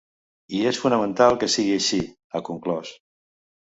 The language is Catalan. I és fonamental que sigui així, ha conclòs.